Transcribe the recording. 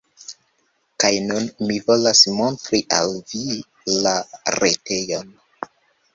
Kaj nun, mi volas montri al vi la retejon!